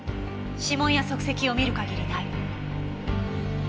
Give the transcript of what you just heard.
指紋や足跡を見る限りない。